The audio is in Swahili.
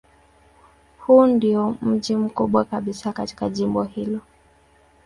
Huu ndiyo mji mkubwa kabisa katika jimbo hili.